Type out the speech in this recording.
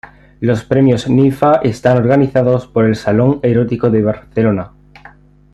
Los premios Ninfa están organizados por el Salón Erótico de Barcelona.